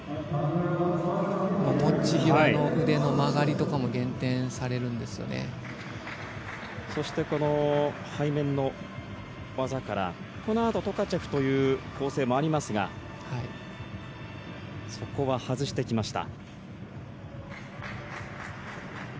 持ち際の腕の曲がりとかもそして、この背面の技からこのあとトカチェフという構成もありますがそこは外してきました。